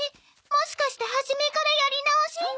もしかして初めからやり直し？